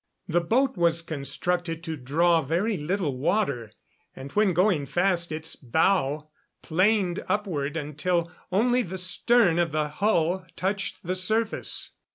The boat was constructed to draw very little water, and when going fast its bow planed upward until only the stern of the hull touched the surface.